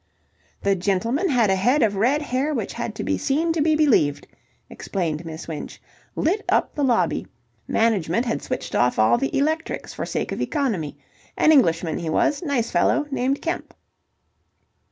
"The gentleman had a head of red hair which had to be seen to be believed," explained Miss Winch. "Lit up the lobby. Management had switched off all the electrics for sake of economy. An Englishman he was. Nice fellow. Named Kemp."